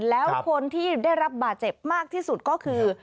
แล้วคนที่ได้รับบาดเจ็บมากที่สุดก็คือ